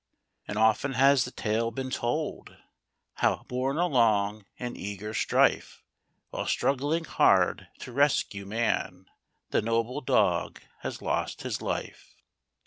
And often has the tale been told, How, borne along in eager strife. While struggling hard to rescue man, The noble dog has lost his life.